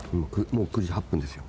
もう９時８分ですよ。